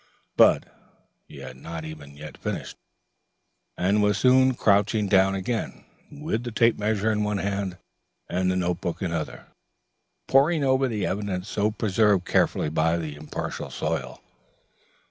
But he had not even yet finished; and was soon crouching down again, with the tape measure in one hand and the notebook in the other, poring over the evidence preserved so carefully by the impartial soil.